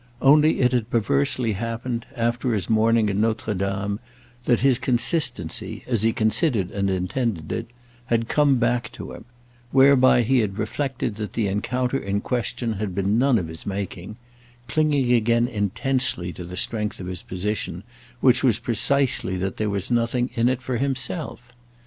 Only it had perversely happened, after his morning at Notre Dame, that his consistency, as he considered and intended it, had come back to him; whereby he had reflected that the encounter in question had been none of his making; clinging again intensely to the strength of his position, which was precisely that there was nothing in it for himself.